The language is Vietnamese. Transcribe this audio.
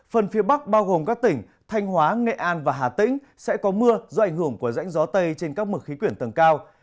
phần phía bắc bao gồm các tỉnh thanh hóa nghệ an và hà tĩnh sẽ có mưa do ảnh hưởng của rãnh gió tây trên các mực khí quyển tầng cao